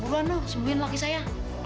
buruan dong sembuhin laki saya